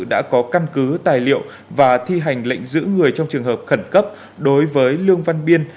đã có căn cứ tài liệu và thi hành lệnh giữ người trong trường hợp khẩn cấp đối với lương văn biên